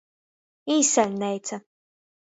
Īsaļneica.